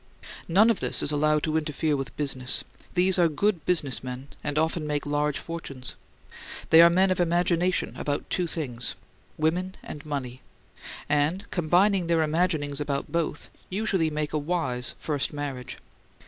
None of this is allowed to interfere with business; these are "good business men," and often make large fortunes. They are men of imagination about two things women and money, and, combining their imaginings about both, usually make a wise first marriage.